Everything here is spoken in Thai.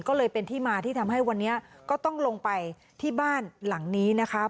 ก็เลยเป็นที่มาที่ทำให้วันนี้ก็ต้องลงไปที่บ้านหลังนี้นะคะ